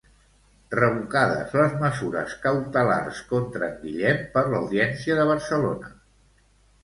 Revocades les mesures cautelars contra en Guillem per l'Audiència de Barcelona.